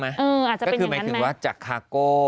ก็คือหมายถึงว่าจากคาโก้